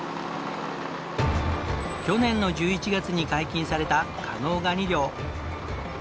去年の１１月に解禁された加能ガニ漁。